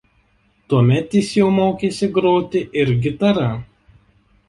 Tuomet jis jau mokėsi groti ir gitara.